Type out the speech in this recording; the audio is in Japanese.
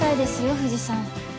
藤さん。